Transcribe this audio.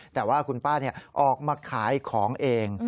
แต่ว่าคุณป้าออกมาขายของเอง